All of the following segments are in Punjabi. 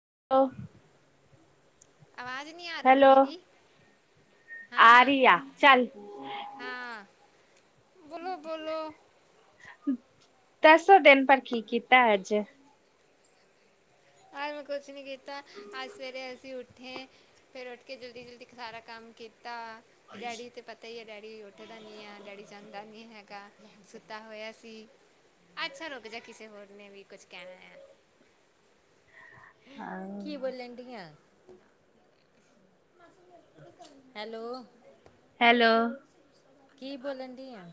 [unintelligible] ਹੈਲੋ ਆਰੀਆ ਚਲ। [unintelligible] ਬੋਲੋ, ਬੋਲੋ। ਦਸੋ ਦਿਨ ਪਰ ਕੀ ਕੀਤਾ ਅੱਜ? ਆ ਮੈਂ ਕੁਛ ਨਹੀਂ ਕੀਤਾ ਅੱਜ ਸਵੇਰੇ ਅਸੀਂ ਉੱਠ ਇਹ ਫਿਰ ਉੱਠ ਕੇ ਜਲਦੀ ਜਲਦੀ ਖਾਰਾ ਕੰਮ ਕੀਤ ਤਾਂ ਡੈਡੀ ਤੇ ਪਤਾ ਹੀ ਐ ਡੈਡੀ ਉੱਠਦਾ ਨੀ ਐ ਡੈਡੀ ਜਾਂਦਾ ਨੀ ਐ। ਹੈਗਾ ਸੁੱਤਾ ਹੋਇਆ ਸੀ ਅੱਛਾ, ਰੁਕ ਜਾ ਕਿਸੇ ਹੋਰ ਨੇ ਵੀ ਕੁਛ ਕਹਿਣਾ ਆ। ਕੀ ਬੋਲਣ ਡੀ ਹ? ਹੈਲੋ। ਹੈਲੋ। ਕੀ ਬੋਲਣ ਦੀ ਆ?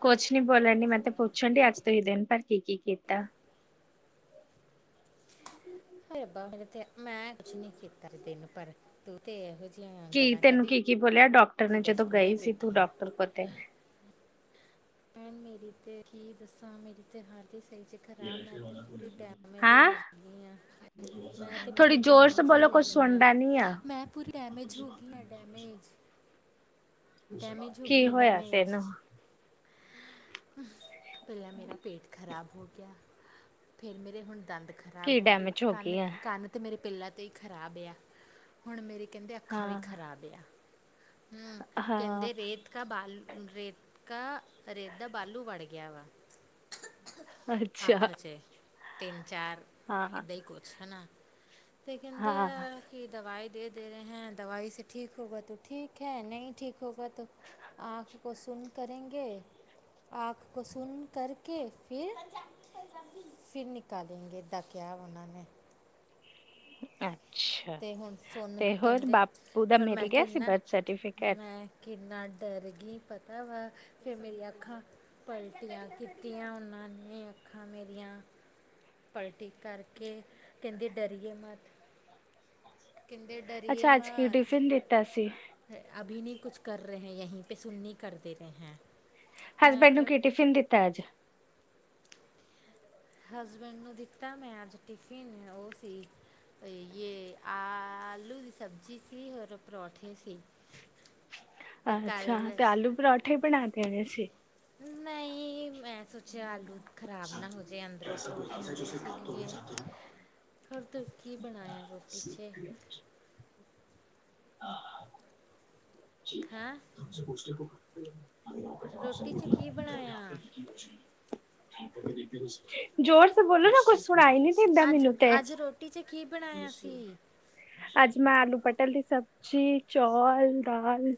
ਕੁਛ ਨੀ ਬੋਲਣ ਡੀ, ਮੈਂ ਤੇ ਪੁੱਛਣ ਡੀ, ਅੱਜ ਤੁਸੀਂ ਦਿਨ ਪਰ ਕੀ ਕੀ ਕੀਤਾ? ਆਏ ਰੱਬਾ [unintelligible] ਮੈਂ ਕੁਛ ਨੀ ਕੀਤਾ ਦਿਨ ਪਰ ਤੂੰ ਤੇ ਇਹੋ ਜਿਹੀਆਂ ਕੀ ਗੱਲਾਂ ਤੈਨੂੰ ਕਰਦੀ ਕੀ ਕੀ ਬੋਲਿਆ ਡਾਕਟਰ ਨੇ, ਜਿੱਦਾਂ ਜਦੋਂ ਸਕੂਲੇ ਗਈ ਸੀ ਤੂੰ ਬੈਠੀ ਆ ਡਾਕਟਰ ਕੋਤੇ। ਭੈਣ ਮੇਰੀ ਤੇ ਕੀ ਦੱਸਾਂ ਮੇਰੀ ਤੇ ਹਰ ਸਹੀ ਚ ਖ਼ਰਾਬ ਮੈਂ ਤੇ ਪੂਰੀ ਡੈਮੇਜ ਹੀ ਹਾਂ ਹੋ ਗਈ ਆ। ਮੈਂ ਤੇ ਥੋੜੀ ਪੂਰੀ ਜ਼ੋਰ ਸੇ ਡੈਮੇਜ ਹੀ ਬੋਲੋ ਹੋ ਕੁਛ ਗਈ ਹੈ, ਸੁਣਦਾ ਨੀ ਆ ਮੈਂ ਪੂਰੀ ਡੈਮੇਜ ਹੋ ਗਈ ਹ ਡੈਮੇਜ। [inaudible] ਡੈਮੇਜ ਹੋ ਕੀ ਗਈ ਆ ਹੋਇਆ ਸਿਰ ਡੈਮੇਜ ਨੂੰ, ਪਹਿਲਾਂ ਮੇਰਾ ਪੇਟ ਖ਼ਰਾਬ ਹੋ ਗਿਆ ਫਿਰ ਮੇਰੇ ਹੁਣ ਦੰਦ ਕੀ ਖ਼ਰਾਬ ਹੋ ਗਏ ਡੈਮੇਜ ਗਈ ਕੰਨ ਆ ਕੰਨ ਤੇ ਮੇਰੇ ਪਹਿਲਾਂ ਤੋਂ ਹੀ ਖਰਾਬ ਆ ਹੁਣ ਮੇਰੇ, ਕਹਿੰਦੇ ਅੱਖਾਂ ਵੀ ਹਾਂ ਖਰਾਬ ਆ ਹੂੰ, ਹਾਂ ਕਹਿੰਦੇ ਰੇਤ ਕਾ ਬਾਲ ਰੇਤ ਕਾ ਰੇਤ ਦਾ ਬਾਲੂ ਵੜ ਗਿਆ ਵਾ ਅੱਛਾ, ਅੱਖ 'ਚ ਤਿੰਨ ਚਾਰ ਹਾਂ ਏਦਾਂ ਹੀ ਕੁੱਛ ਹਨਾ ਤੇ ਕਹਿੰਦੇ ਹਾਂ ਆ ਕਿ ਦਵਾਈ ਦੇ ਦੇ ਰਹੇ ਹੈ ਦਵਾਈ ਸੇ ਠੀਕ ਹੋਗਾ ਤੋਂ, ਠੀਕ ਹੈ, ਨਹੀਂ ਠੀਕ ਹੋਗਾ, ਤੋਂ ਆਂਖ ਕੋ ਸੁੰਨ ਕਰੇਂਗੇ। ਆਂਖ ਕੇ ਸੁੰਨ ਕਰਕੇ ਫਿਰ [inaudible] ਫਿਰ ਨਿਕਾਂਲੇ ਗੇ [unintelligible] ਅਹ, ਤੇ ਹੁਣ ਸੋਨੂੰ ਕਹਿੰਦੇ ਬਾਪੂ ਦਾ ਪਰ ਮਿਲ ਮੈਂ ਗਿਆ ਸੀ ਕਿੰਨਾ ਬਰਥ ਸਰਟੀਫਿਕੇਟ ਮੈਂ ਕਿੰਨਾ ਡਰ ਕੀ ਪਤਾ ਵਾ ਫਿਰ ਮੇਰੀਆਂ ਅੱਖਾਂ ਪਲਟੀਆਂ ਕੀਤੀਆਂ ਉਹਨਾਂ ਨੇ ਅੱਖਾਂ ਮੇ [inaudible] ਮੇਰੀ ਪਲਟੀ ਕਰਕੇ ਕਹਿੰਦੇ ਡਰੀਏ ਮੱਤ [inaudible] ਕਹਿੰਦੇ ਡਰੀਏ ਅੱਛਾ ਅੱਜ ਕੀ ਮੱਤ ਟਿਫਿਨ ਦਿੱਤਾ ਸੀ ਅਭੀ ਨਹੀਂ ਕੁੱਛ [inaudible] ਹਸਬੈਂਡ ਨੂੰ ਕੀ ਟਿਫਿਨ ਦਿੱਤਾ ਅੱਜ, ਹਸਬੈਂਡ ਨੂੰ ਦਿੱਤਾ ਮੈਂ ਅੱਜ ਟਿਫਿਨ ਉਹ ਸੀ ਯੇ ਆਲੂ ਦੀ ਸਬਜ਼ੀ ਸੀ ਔਰ ਪਰੌਂਠੇ ਸੀ। ਫਿਰ ਕੱਲ ਅੱਛਾ, ਤੇ ਆਲੂ ਪਰੌਠੇ ਬਣਾ ਦੇਣੇ ਸੀ। ਨਹੀਂ ਮੈਂ ਸੋਚਿਆ ਆਲੂ ਖ਼ਰਾਬ ਨਾ ਹੋਜੇ ਅੰਦਰੋਂ ਪਰੌਂਠਿਆਂ ਦੇ ਇਸੀ ਲਈਏ ਹੋਰ ਤੂੰ ਕੀ ਬਣਾਇਆ ਰੋਟੀ ਚ। [inaudible] [inaudible] [inaudible] ਹਾਂ ਰੋਟੀ 'ਚ ਕੀ ਬਣਾਇਆ ਜ਼ੋਰ ਸੇ ਬੋਲੋ ਨਾ ਕੁੱਛ ਅੱਜ ਅੱਜ ਰੋਟੀ ਚ ਕੀ ਬਣਾਇਆ ਸੀ? ਅੱਜ ਮੈਂ ਆਲੂ ਪਟਲ ਦੀ ਸਬਜ਼ੀ ਚੌਲ ਦਾਲ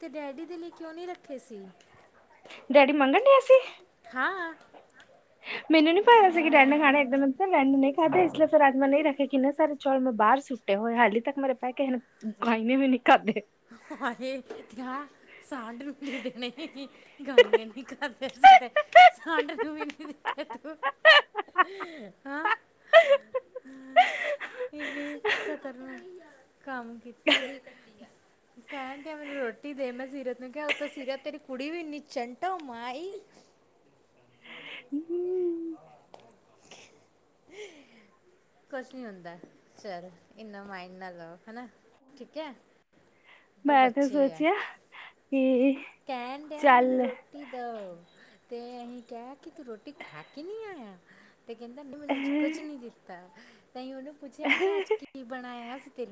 ਤੇ ਡੈਡੀ ਦੇ ਲਈ ਕਿਉਂ ਨੀ ਰੱਖੇ ਸੀ? ਡੈਡੀ ਮੰਗਣ ਡਿਆ ਸੀ। ਹਾਂ, [inaudible] ਮੈਨੂੰ ਨਹੀਂ ਪਤਾ ਸੀ ਕੀ ਡੈਡ ਨੇ ਖਾਣਾ [unintelligible] ਡੈਡ ਨੇ ਨਹੀਂ ਖਾਦੇ ਇਸ ਲਈ ਅੱਜ ਮੈਂ ਨਹੀਂ ਰਖੇ ਕਿੰਨੇ ਸਾਰੇ ਚੌਲ ਮੈਂ ਬਾਹਰ ਸੁੱ ਹਾਲੇ ਤੱਕ ਮੇਰੇ ਪਹਿ ਕੇ [unintelligible] ਨੀ ਵੀ, ਖਾਧੇ ਹਾਏ ਯਾਰ ਸਾਢ ਨੂੰ ਦੇ ਦੇਣੇ ਸੀ ਗਾਈ ਨੇ ਨੀ ਖਾਣੇ ਤੇ ਸਾਂਢ ਨੂੰ ਵੀ ਨੀ ਦਿੱਤਾ ਤੂੰ ਹਾਂ [inaudible] ਇਨੇ ਖਤਰ ਕੰਮ ਕੀਤਾ ਜੇ ਕਹਿਣ ਗੇ ਮੈਨੂੰ ਰੋਟੀ ਦੇ ਮੈਂ ਸੀਰਤ ਨੂੰ ਕਿਹਾ ਉੱਤੋਂ ਸੀਰਤ ਤੇਰੀ ਕੁੜੀ ਵੀ ਇੰਨੀ ਚੰਟ ਆ ਉਹ ਮਾਂਈ ਹੂੰ ਕੁੱਛ ਨੀ ਹੁੰਦਾ ਚੱਲ ਇਨਾ ਮਾਇੰਡ ਨਾ ਲਾਓ ਹਨਾ ਠੀਕ ਐ ਮੈਂ ਤੇ ਸੋਚਿਆ ਕੀ ਕਹਿਣ ਦਿਆ ਮੈਨੂੰ ਰੋਟੀ ਦਿਓ ਤੇ ਅਸੀਂ ਕਹਿ ਕਿ ਤੂੰ ਰੋਟੀ ਖਾ ਕੇ ਨਹੀਂ ਆਇਆ ਤੇ ਕਹਿੰਦਾ ਮੈਨੂੰ ਅੱਜ ਕੁੱਛ ਨੀ ਦਿੱਤਾ ਤਾਹੀਓ ਉਹਨੂੰ ਪੁੱਛਿਆ ਕਿ ਅੱਜ ਕੀ ਬਣਾਇਆ ਸੀ [unintelligible]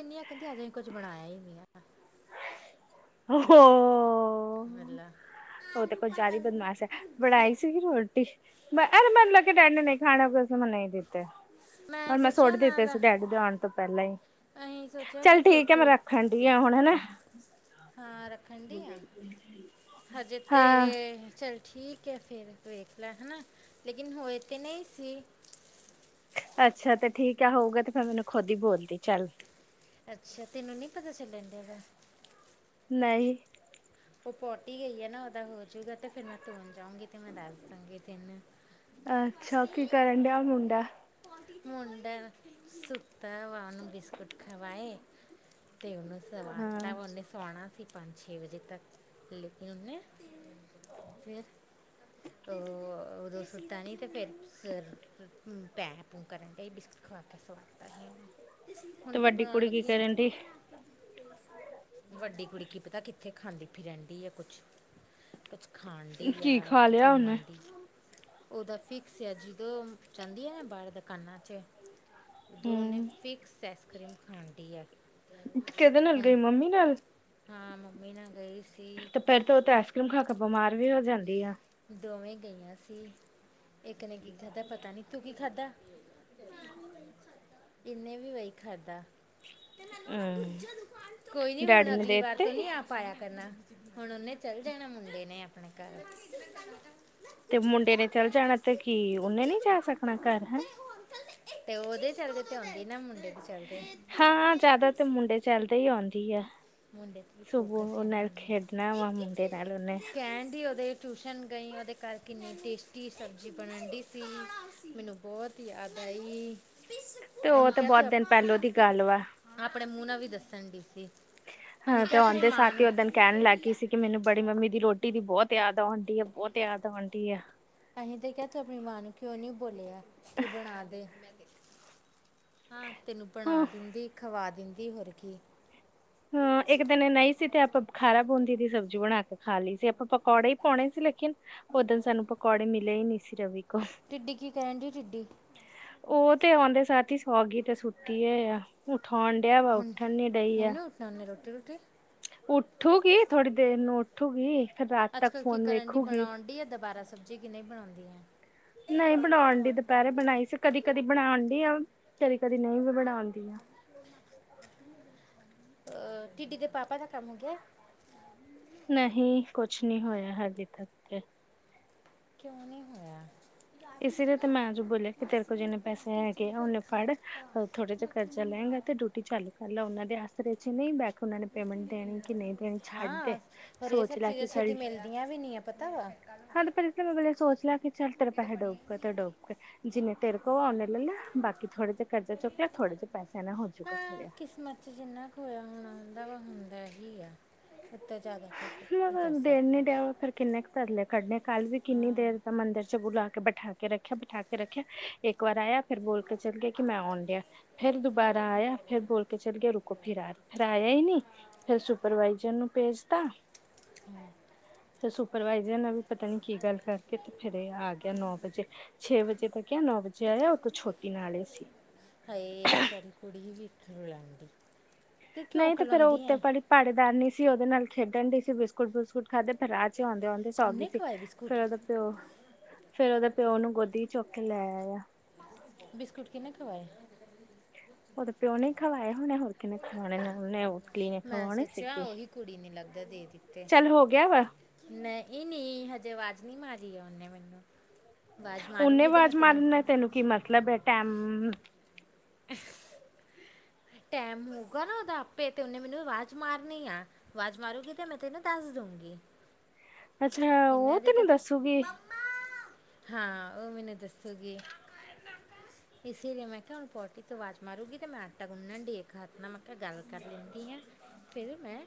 ਇੰਨੀ ਆ ਕਹਿੰਦੀ ਅਜੇ ਕੁੱਝ ਬਣਾਇਆ ਹੀ ਨਹੀਂ ਆ ਆ ਹੋ ਵਲਾ ਉਹ ਤਾਂ ਕੁਝ ਜ਼ਿਆਦਾ ਹੀ ਬਦਮਾਸ਼ ਹੈ, ਬਣਾਈ ਸੀਗੀ ਰੋਟੀ [unintelligible] ਨਹੀਂ ਦਿੱਤੇ ਪਰ ਮੈਂ ਸੋਚਿਆ ਸੁੱਟ ਨਾ ਦਿੱਤੇ ਦਾ ਸੀ ਡੈਡੀ ਦੇ ਆਉਣ ਤੋਂ ਪਹਿਲਾਂ ਹੀ ਅਸੀਂ ਸੋਚਿਆ ਚੱਲ ਕਿ ਫਿਰ ਠੀਕ ਹੈ ਮੈਂ ਤੂੰ ਰੱਖਣ ਡੀ ਆ ਹੁਣ ਹੈ ਨਾ ਹਾਂ ਰੱਖਣ ਦੀ ਆ ਹਜੇ [unintelligible] ਤੇ ਚੱਲ ਠੀਕ ਹੈ ਫੇਰ ਵੇਖ ਲੈ ਹੈ ਨਾ ਲੇਕਿਨ ਹੋਏ ਤਾਂ ਨਹੀਂ ਸੀ ਅੱਛਾ ਤੇ ਠੀਕ ਆ ਹੋਊਗਾ ਤੇ ਫਿਰ ਮੈਨੂੰ ਖੁਦ ਹੀ ਬੋਲਦੀ ਚੱਲ ਅੱਛਾ ਤੈਨੂੰ ਨਹੀਂ ਪਤਾ ਚੱਲਣ ਡਿਆ ਵਾ ਨਹੀਂ ਉਹ ਪੋਟੀ ਹੀ ਗਈ ਹੈ ਨਾ ਉਹਦਾ ਹੋਜੂਗਾ ਤੇ ਫਿਰ ਮੈਂ ਧੋਣ ਚਾਹਗੀ ਤੇ ਮੈਂ ਦੱਸ ਦਾਂਗੀ ਤਿੰਨ ਅੱਛਾ ਕੀ ਕਰਨ ਡਿਆ ਮੁੰਡਾ ਮੁੰਡਣ ਸ ਤ ਆ ਉਹ ਨੂੰ ਬਿਸਕੁਟ ਖਵਾਏ ਤੇ ਉਹਨ ਸਵਾ ਹਾਂ ਤਾਂ ਹੁਨ ਸਵਾਨਾ ਸੀ ਪੰਜ ਛੇ ਵਜੇ ਤੱਕ ਲੈ ਕੇ ਹੁੰਦੇ ਫਿਰ ਉਹ ਉਦੋਂ ਸੁੱਤਾ ਨੀ ਤੇ ਫਰ ਪੈ-ਪੂ ਕਰਨ ਡ ਬਿਸਟ ਖਵਾ ਕੇ ਸਵਾਦ ਤਾ ਹੀ ਤੁ ਵੱਡੀ ਕੁੜੀ ਕੀ ਕਰਨ ਡ ਵੱਡੀ ਕੁੜੀ ਕੀ ਪਤਾ ਕਿੱਥੇ ਖਾਂਦੀ ਰਹਿੰਦੀ ਹੈ ਕੁਛ-ਕੁਛ ਖਾਣ ਡ ਹੀ ਕੀ ਆ ਖਾ ਕਿ ਲਿਆ ਉਹਨੇ ਘੁੰਮਣ ਦੀ ਓਦਾਂ ਫਿਕਸ ਆ ਜਦੋਂ ਜਾਂਦੀ ਆ ਨਾ ਬਾਹਰ ਦੁਕਾਨਾਂ ਚ ਦੋਨੇ ਹਮ ਫਿਕਸ ਆਈਸਕ੍ਰੀਮ ਖਾਂਦੀ ਐ ਕਿਹਦੇ ਨਾਲ ਹੁਣ ਗਈ ਮੰਮੀ ਨਾਲ ਹਾਂ ਮੰਮੀ ਨਾਲ ਗਈ ਸੀ ਤੇ ਫਰ ਤਾਂ ਉਹ ਤੇ ਆਈਸ ਕਰ੍ਰੀਮ ਖਾਕੇ ਬਿਮਾਰ ਵੀ ਹੋ ਜਾਂਦੀ ਆ ਦੋਵੇਂ ਗਈਆਂ ਸੀ ਇੱਕ ਨੇ ਕੀ ਖਾਧਾ, ਪਤਾ ਨੀ ਤੂੰ ਕੀ ਖਾਧਾ [inaudible] ਕਿਨੇ ਵੀ ਵਹੀ ਖਾਦਾ ਹਮ [unintelligible] ਕੋਈ ਨੀ ਡੈਡੀ ਹੁਣ ਨੇ ਅਗਲੀ ਵਾਰ ਦੇਤੇ ਤੋਂ ਨ ਆਪ ਆਇਆ ਕਰਨਾ ਹੁਣ ਉਹਨੇ ਚੱਲ ਜਾਣਾ ਮੁੰਡੇ ਨੇ ਆਪਣੇ ਘਰ ਨਾ ਤੇ ਕੁਝ ਮੁੰਡੇ ਨੇ ਔਰ ਚੱਲ ਲੈਣਾ ਜਾਣਾ ਤੇ ਕੀ ਸੀ ਉਹਨੇ ਦੂਜੇ ਨਹੀਂ ਜਾ ਦੁਕਾਨ ਤੋਂ ਸਕਣਾ ਘਰ ਹੈਂ ਤੇ ਉਹ ਅੰਕਲ ਤੇ ਉਹਦੇ ਚ ਹਾਂ ਜਿਆਦਾ ਦੇਤੀ ਤੇ ਸੀ ਮੁੰਡੇ ਚੱਲਦੇ ਹੀ ਆਉਂਦੀ ਆ ਮੁੰਡੇ ਤੇ ਸੁਬੋਂ ਫੋਕਸ ਉਹ ਹੈ ਨਾ ਨਾਲ ਉਹਨੂੰ ਖੇਡਣਾ ਵਾ ਇੱਕ ਹੀ ਮੁੰਡੇ ਚੀਜ਼ ਨਾਲ ਉਹਨੇ ਦੇ ਕਹਿੰਦੀ ਉਹਦੇ ਟਿਊਸ਼ਨ ਗਈ ਉਹਦੇ ਘਰ ਕਿੰਨੀ ਟੇਸਟੀ ਸਬਜ਼ੀ ਬਣਨ ਦੀ ਸੀ ਮੈਨੂੰ ਬਹੁਤ ਹੀ ਯਾਦ [unintelligible] [unintelligible] ਤੇ ਉਹ ਏਨੂੰ ਤੇ ਕ ਤੂੰ ਬਹੁਤ ਦਿਨ ਪਹਿਲੋਂ ਦੀ ਗੱਲ ਵਾ ਆਪਣੇ ਮੂੰਹ ਨਾਲ ਵੀ ਦੱਸਣ ਡ ਸੀ ਅਸੀਂ ਹਾਂ ਤੇ ਕਿਹਾ ਆਪਣੀ ਆਂਦੇ ਮਾਂ ਸਾਥੀ ਨੂੰ ਓਦਨ ਅਸੀਂ ਕਹਿਣ ਜੋ ਲੱਗ ਵੀ ਗਈ ਆ ਸੀ ਕਿ ਮੈਨੂੰ ਬੜੀ ਮੰਮੀ ਦੀ ਰੋਟੀ ਦੀ ਬਹੁਤ ਯਾਦ ਦੀਆਂ ਬਹੁਤ ਜਿਆਦਾ ਅਉਣ ਡੀ ਅਸੀਂ ਤੇ ਕਿਹਾ ਤੂੰ ਆਪਣੀ ਮਾਂ ਨੂੰ ਕਿਉਂ ਨੀ ਬੋਲਿਆ ਕਿ ਬਣਾ ਦੇ ਹਾਂ ਤੈਨੂੰ ਬਣਾ ਹਾਂ ਦਿੰਦੀ ਖਵਾ ਦਿੰਦੀ ਹੋਰ ਕੀ ਉਹਦੀ ਹਾਂ ਇੱਕ ਮਾਸੀ ਦਿਨ ਨਹੀਂ ਸੀ ਬੋਲ ਤੇ ਆਪਾਂ ਰਹੀ ਬੁਖਾਰਾ ਪਾਉਂਦੀ ਸੀ ਸਬਜ਼ ਬਣਾ ਕੇ ਖਾ ਲਈ ਸੀ ਆਪਾਂ ਪਕੌੜੇ ਹੀ ਪਾਉਣੇ ਸੀ ਲੇਕਿਨ ਉਦਨ ਸਾਨੂੰ ਪਕੌੜੇ ਮਿਲੇ ਹੀ ਨਹੀਂ ਸੀ ਰਵੀ ਕੋ ਟਿੱਡੀ ਕੀ ਕਰਨ ਜੀ ਟਿੱਡੀ ੱਤੇ ਆਉਂਦੇ ਸਾਥੀ ਸੌਗੀ ਤੇ ਸੁੱਤੀ ਆ ਆ ਉਠਾਉਣ ਡਿਆ ਵਾ ਉੱਠਣ ਨੀ ਡਈ ਆ ਨਾਨੀ ਰੋਟੀ ਰੋਟੀ ਉੱਠੂਗੀ ਥੋੜੀ ਦੇਰ ਨੂੰ ਉੱਠੂਗੀ ਫਿਰ ਰਾਤ ਅੱਜ ਤੱਕ ਕਲ ਕੀ ਫੋਨ ਕਰਨ ਡ ਵੇਖੂਗੀ ਬਣਾਉਣ ਡ ਆ ਦੁਬਾਰਾ ਸਬਜ਼ੀ ਕਿਨਂ ਬਣਾਉਂਦੀ ਆ ਨਹੀਂ ਬਣਾਉਣ ਡ ਦੁਪਹਿਰੇ ਬਣਾਈ ਸੀ ਕਦੀ ਕਦੀ ਬਣਾਉਣ ਡ ਆ ਕਦੀ ਕਦੀ ਨਹੀਂ ਵੀ ਬਣਾਉਂਦੀ ਆ ਅਹ ਟਿੱਡੀ ਦੇ ਪਾਪਾ ਦਾ ਕੰਮ ਹੋ ਗਿਆ। ਨਹੀਂ ਕੁਛ ਨਹੀਂ ਹੋਇਆ ਹਾਲੇ ਤੱਕ ਤੇ। ਕਿਉਂ ਨਹੀਂ ਹੋਇਆ। ਰਾਵੀ ਇਸ ਨੂੰ ਲਈ ਨਾ ਤੇ ਮੈਂ ਜੋ ਬੋਲਿਆ ਕਿ ਤੇਰੇ ਮਾਸੀ ਕੋਲ ਨੇ ਜਿੰਨੇ ਪੈਸੇ ਪੌਂਟੀ 'ਚ ਹੈਗੇ ਆ ਓਨੇ ਬੈਠਾ ਫੜ ਦਿੱਤਾ ਥੋੜੇ ਜਾ ਕਰਜ਼ਾ ਨਕਲੀ ਦਾ ਲ ਤੇ ਡਿਊਟੀ ਚਾਲੂ ਕਰ ਲਾ ਉਹਨਾਂ ਦੇ ਆਸਰੇ ਚ ਨਹੀਂ ਬੈਠ ਉਹਨਾਂ ਨੇ ਪੇਮੈਂਟ ਦੇਣੀ ਕਿ ਨਹੀਂ ਦੇਣੀ ਛੱਡ ਦੇ ਹਾਂ ਔਰ ਇਹ ਸੋਚ ਸਭ ਲੈ ਕੇ ਚੀਜ਼ਾਂ ਚੱਲ ਛੇਤੀ ਮਿਲਦੀਆਂ ਵੀ ਨਹੀਂ ਆ ਪਤਾ ਵਾ ਹਾਂ, ਤੇ [unintelligible] ਸੋਚ ਲਿਆ ਕਿ ਚੱਲ ਤੇਰੇ ਪੈਸੇ ਡੋਬ ਤੇ ਡੋਬ ਤੇ ਜਿੰਨੇ ਤੇਰੇ ਕੋ ਉਹ ਲੈ ਲਾ ਬਾਕੀ ਥੋੜੇ ਜੇ ਕਰਜ਼ਾ ਚੁੱਕਿਆ ਥੋੜੇ ਜੇ ਪੈਸਾ ਦਾ ਹੁਣ [unintelligible] ਹਾਂ ਹੋਇਆ। ਦਾ ਵਾ ਹੁੰਦਾ ਇਹੀ ਆ ਹੁਣ ਤਾਂ ਜ਼ਿਆਦਾ ਕੋਈ ਕੁਛ ਨਹੀਂ ਕਰ [unintelligible] ਦੇ ਨੀ ਸਕਦਾ ਰਿਹਾ ਵਾ ਫਿਰ ਕਿੰਨੇ ਕ ਧਰਲੇ ਕੱਢਣੇ ਕੱਲ ਵੀ ਕਿੰਨੀ ਹਾਂ ਦੇਰ ਦਾ ਮੰਦਿਰ ਚ ਬੁਲਾ ਕੇ ਬਿਠਾ ਕੇ ਕੇ ਰੱਖਿਆ ਬਿਠਾ ਕੇ ਰੱਖਿਆ ਇੱਕ ਵਾਰ ਆਇਆ ਫਿਰ ਬੋਲ ਕੇ ਚੱਲ ਗਿਆ ਕਿ ਮੈਂ ਆਉਣ ਡਿਆ ਫਿਰ ਦੁਬਾਰਾ ਆਇਆ ਫਿਰ ਬੋਲ ਕੇ ਚੱਲ ਗਿਆ ਰੁਕੋ ਫਿਰ ਆ ਫਿਰ ਆਇਆ ਈ ਨਹੀਂ ਫਿਰ ਸੁਪਰਵਾਈਜਰ ਨੂੰ ਭੇਜ ਤਾਂ ਹੂੰ, ਫਿਰ ਸੁਪਰਵਾਈਜ਼ਰ ਨਾਲ ਵੀ ਪਤਾ ਨੀ ਕੀ ਗੱਲ ਕਰਕੇ ਤੇ ਫਿਰ ਏ ਆ ਗਿਆ ਨੌ ਵਜੇ ਛੇ ਵਜੇ [unintelligible] ਨੌ ਵਜੇ ਆਇਆ ਉਹ ਤੋਂ ਛੋਟੀ ਨਾਲ ਹੀ ਸੀ। ਹਾਏ ਵਿਚਾਰੀ ਕੁੜੀ [unintelligible] ਨਹੀਂ ਤੇ ਫੇਰ ਉਹ ਕਲਾਉਂਦੀ ਉੱਤੇ ਐ ਪਲੀ ਪਹਾੜੇ ਦਾਰਨੀ ਸੀ ਉਹਦੇ ਨਾਲ ਖੇਡਣ ਡੀ ਸੀ ਬਿਸਕੁਟ ਬੁਸਕੁਟ ਖਾਧੇ ਫਿਰ ਰਾਤ ਆਂਦੇ ਆਂਦੇ ਸੌਗੀ ਉਹਨੇ ਸੀ ਖਵਾਏ ਬਿਸਕੁਟ ਫਿਰ ਉਹਦਾ ਪਿਓ ਫੇਰ ਉਹਦਾ ਪਿਓ ਨੂੰ ਗੋਦੀ ਚੁੱਕ ਕੇ ਲੈ ਆਇਆ। ਬਿਸਕੁਟ ਕਿੰਨੇ ਖਵਾਏ ਉਹ ਤਾਂ ਪਿਓ ਨੇ ਖਵਾਏ ਹੋਰ ਕਿਨੇ [unintelligible] ਮੈਂ ਖਵਾਉਣੇ ਸੀ ਸੋਚਿਆ ਕਿ ਉਹੀ ਕੁੜੀ ਨੇ ਲੱਗਦਾ ਦੇ ਦਿੱਤੇ ਚੱਲ ਹੋ ਗਿ ਹੋ ਗਿਆ ਵਾਂ। ਨਹੀਂ ਨੀ ਹਜੇ ਆਵਾਜ਼ ਨੀ ਮਾਰੀ ਆ ਉਹਨੇ ਮੈਨੂੰ ਆਵਾਜ਼ ਓਨੇ ਮਾਰੂਗੀ ਤੇ ਮੈਂ ਆਵਾਜ਼ ਮਾਰਨਾ ਤੈਨੂੰ ਕੀ ਮਤਲਬ ਐ ਟੈਮ [unintelligible] ਟੈਮ ਹੋਊਗਾ ਨਾ ਉਹਦਾ ਆਪੇ ਤੇ ਉਹਨੇ ਮੈਨੂੰ ਆਵਾਜ਼ ਮਾਰਨੀ ਆ ਆਵਾਜ਼ ਮਾਰੂਗੀ ਤੇ ਮੈਂ ਤੈਨੂੰ ਦੱਸ ਦੂੰ ਗੀ। ਅੱਛਾ, ਉਹ ਤੈਨੂੰ ਦੱਸੂਗੀ। ਮੰਮਾ ਹਾਂ, ਉਹ ਮੈਨੂੰ ਦੱਸੂਗੀ ਇਸੇ ਲਈ ਮੈਂ ਕਿਹਾ ਹੁਣ ਪੋਟੀ ਤੋਂ ਆਵਾਜ਼ ਮਾਰੂਗੀ ਤੇ ਮੈਂ ਆਟਾ ਗੁੰਨਣ ਡੇ ਖਾਣਾ ਮੈਂ ਤਾਂ ਗੱਲ ਕਰ ਲੈਂਦੀ ਆ ਫਿਰ ਮੈਂ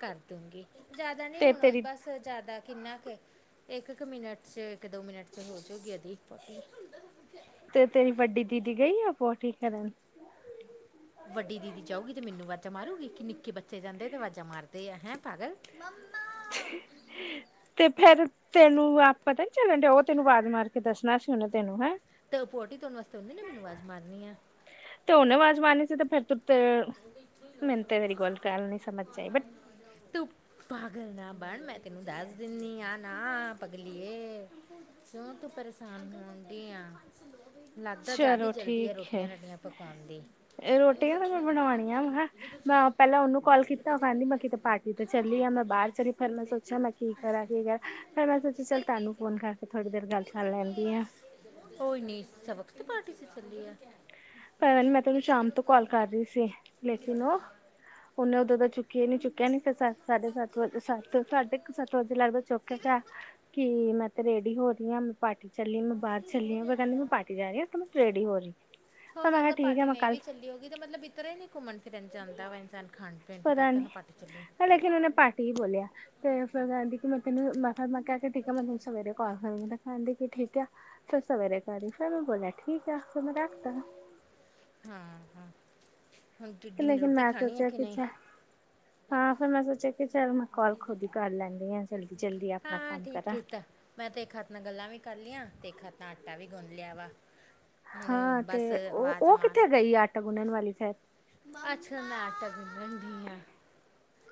ਕਰ ਦੂਗੀ ਜ਼ਿਆਦਾ ਨਹੀਂ ਤੇ ਹੁਣ ਤੇਰੀ ਬਸ ਦਾ ਕਿੰਨਾ ਕ ਇੱਕ ਇੱਕ ਮਿੰਟ ਚ ਇੱਕ ਦੋ ਮਿੰਟ ਚ ਹੋਜੂਗੀ ਏਦੀ। ਤੇ ਤੇਰੀ ਵੱਡੀ ਦੀਦੀ ਗਈ ਆ ਪੋਠੀ ਕਰਨ, ਵੱਡੀ ਦੀਦੀ ਜਾਊਗੀ ਤੇ ਮੈਨੂੰ ਆਵਾਜ਼ਾਂ ਮਾਰੂਗੀ ਕਿ ਨਿੱਕੇ ਬੱਚੇ ਜਾਂਦੇ ਤੇ ਆਵਾਜ਼ਾਂ ਮਾਰਦੇ ਆ ਹੈਂ ਪਾਗਲ ਮੰਮਾ [unintelligible] ਤੇ ਫੇਰ ਤੈਨੂੰ ਆਪ ਪਤਾ ਨੀ ਚੱਲਣ ਡਿਆ ਉਹ ਤੈਨੂੰ ਆਵਾਜ਼ ਮਾਰ ਕੇ ਦੱਸਣਾ ਸੀ ਉਹਨੇ ਤੈਨੂੰ ਹੈਂ। ਤੇ ਉਹ ਪੋਟੀ ਧੋਣ ਵਾਸਤੇ ਉਹਨਾਂ ਨੀ ਮੈਨੂੰ ਆਵਾਜ਼ ਮਾਰਨੀ ਆ। ਜ਼ਮਾਨੇ ਫਿਰ ਤੁਰ ਮੈਨੂੰ ਤੇ ਮੇਰੀ ਗੋਲ ਗੱਲ ਨਹੀਂ ਸਮਜ ਚ ਆਈ ਬਟ ਤੂੰ ਪਾਗਲ ਨਾ ਬਣ ਮੈਂ ਤੈਨੂੰ ਦੱਸ ਦਿਨੀ ਆ ਨਾ। ਪਗਲੀਏ ਕਿਉਂ ਤੂੰ ਪਰੇਸ਼ਾਨ ਹੁੰਦੀ ਆ। ਲੱਗਦਾ ਜ਼ਿਆਦਾ ਚਲੋ ਹੀ ਜਲਦੀ ਆ ਠੀਕ ਹੈ। ਰੋਟੀਆਂ ਰਾਟੀਆਂ ਪਕਾਣ ਦੀ ਇਹ ਰੋਟੀਆਂ ਮ ਬਣਾਣੀ ਆ ਮੈਂ ਪਹਿਲਾਂ ਉਹਨੂੰ ਕਾਲ ਕੀਤਾ ਉਹ ਕਹਿੰਦੀ ਮੈਂ ਕਿਤੇ ਪਾਰਟੀ ਤੇ ਚੱਲੀ ਆ ਮੈਂ ਬਾਹਰ ਚਲੀ ਫਿਰ ਮੈਂ ਸੋਚਿਆ ਮੈਂ ਕੀ ਕਰਾਂ ਕੀ ਕਰਾਂ ਫਿਰ ਮੈਂ ਸੋਚਿਆ ਚੱਲ ਤੁਹਾਨੂੰ ਫੋਨ ਕਰਕੇ ਥੋੜ੍ਹੀ ਦੇਰ ਗੱਲ ਕਰ ਲੈਂਦੀ ਆ। [inaudible] ਕੋਈ ਨੀ ਸਬਕ ਦੀ ਵਕਤ ਪਾਰਟੀ ਚ ਚੱਲੀ ਆ। ਪਤਾ ਨੀ ਮੈਂ ਤਾਂ ਉਹਨੂੰ ਸ਼ਾਮ ਤੋਂ ਕਾਲ ਕਰ ਰਹੀ ਸੀ ਲੇਕਿਨ ਉਹ ਉਹਨੇ ਉਦੋਂ ਤਾਂ ਚੁੱਕਿਆ ਨੀ ਚੁੱਕਿਆ ਨੀ ਫਿਰ ਸੱਤ ਸਾਢੇ ਸੱਤ ਵਜੇ ਸੱਤ ਸਾਢੇ ਕ ਸੱਤ ਵਜੇ ਲੱਗਦਾ ਚੁੱਕਿਆ ਕਿ ਮੈਂ ਤੇ ਰੇਡੀ ਹੋ ਰਹੀ ਆ ਮੈਂ ਪਾਰਟੀ ਚੱਲੀ ਮੈਂ ਬਾਹਰ ਚੱਲੀ ਆ ਮੈਂ ਕਹਿੰਦੀ ਮੈਂ ਪਾਰਟੀ ਜਾ ਰਹੀ ਰੇਡੀ ਹੋ ਰੀ, ਹੋ ਸਕਦਾ ਪਾਰਟੀ ਨਹੀਂ ਵੀ ਚੱਲੀ ਹੋਊਗੀ ਤੇ ਮਤਲਬ ਇਤਰੇ ਨੀ ਘੁੰਮਣ ਫਿਰਨ ਜਾਂਦਾ ਵਾ ਇਨਸਾਨ ਖਾਂ ਪੀਣ ਤੇ ਕਹਿ ਤੂੰ ਪਾਰਟੀ ਚੱਲੀ ਉਹਨਾਂ ਨੇ ਪਾਰਟੀ ਹੀ ਬੋਲਿਆ ਤੇ ਫਿਰ ਕਹਿੰਦੀ ਕਿ ਮੈਂ ਤੈਨੂੰ ਮੈਂ ਫਿਰ ਮੈਂ ਕ ਕਿਹਾ ਠੀਕ ਆ ਮੈਂ ਤੈਨੂੰ ਸਵੇਰੇ ਕਾਲ ਕਰੂੰਗੀ ਕਹਿੰਦੀ ਕਿ ਠੀਕ ਆ। ਫਿਰ ਸਵੇਰੇ ਕਰ ਰਹੀ ਫਿਰ ਮੈਂ ਬੋਲਿਆ ਠੀਕ ਆ ਫਿਰ ਮੈਂ ਰੱਖਤਾ। ਹਾਂ ਹਾਂ, ਹੁਣ ਟਿੱਡੀ ਨੇ ਲੇਕਿਨ ਰੋਟੀ ਮੈਂ ਖਾਣੀ ਹੈ ਸੋਚਿਆ ਕਿ ਨਹੀਂ ਕੁੱਛ ਹਾਂ ਫਿਰ ਮੈਂ ਸੋਚਿਆ ਚੱਲ ਮੈਂ ਕਾਲ ਖੁਦ ਹੀ ਕਰ ਲੈਂਦੀ ਆ ਜਲਦੀ ਜਲਦੀ ਆਪਣਾ ਹਾਂ ਕੰਮ ਠੀਕ ਕਰਾਂ। ਕੀਤਾ ਮੈਂ ਤੇ ਇੱਕ ਹੱਥ ਨਾਲ ਗੱਲਾਂ ਵੀ ਕਰ ਲਿਆ ਤੇ ਖਾ ਆਟਾ ਵੀ ਗੁੰਨ ਲਿਆ ਵਾ। ਹੁਣ ਹਾਂ, ਤੇ ਬਸ ਉਹ ਆਵਾਜ਼ ਉਹ ਮਾਰ ਕਿੱਥੇ ਗਈ ਆਟਾ ਗੁੰਨਣ ਵਾਲੀ ਫੇਰ। ਅੱਛਾ ਨਾਟਕ ਗੁੰਨਦੀ ਆ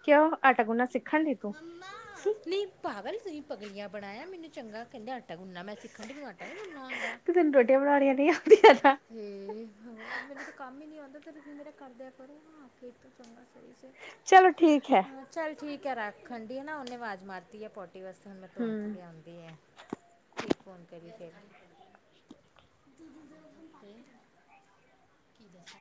ਕਿਉਂ ਆਟਾ ਗੁਣਨਾ ਸਿੱ ਨਹੀਂ ਪਾਵਲ ਤੁਸੀਂ ਪਗਲੀਆਂ ਬਣਾਇਆ ਮੈਨੂੰ ਚੰਗਾ ਕਹਿੰਦੇ ਆ ਆਟਾ ਗੁੰਨਾ ਮੈਂ ਸਿੱਖਣ ਡੀ ਮੈਂ ਆਟਾ ਨੀ ਗੁੰਨਨਾ ਆਂਦਾ। ਤੇ ਤੈਨੂੰ ਰੋਟੀਆਂ ਬਣਾਉਣੀਆਂ ਨਹੀਂ ਆਉਂਦੀਆਂ ਨਾ ਹੇ ਭਗਵਾਨ ਮੈਨੂੰ ਤਾਂ ਕੰਮ ਹੀ ਨਹੀਂ ਆਂਦਾ। ਤੇ ਫਿਰ ਮੇਰਾ ਕਰ ਦਿਆਂ ਕਰੋ ਨਾ ਆਕੇ ਚਲੋ ਠੀਕ ਹੈ [unintelligible] ਚੱਲ ਠੀਕ ਆ ਰੱਖ ਖੰਡੀ ਐ ਨਾ ਉਹਨੇ ਆਵਾਜ਼ ਮਾਰਤੀ ਐ ਪੋ ਓਹਦੇ ਵਾਸਤੇ ਹੁਣ ਮੈਂ [unintelligible] ਵੀ ਹਮ ਲਿਆਂਦੀ ਆ ਠੀਕ ਆ [unintelligible] ਕੀ ਦੱਸਾਂ।